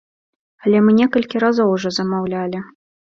Але мы некалькі разоў ужо замаўлялі.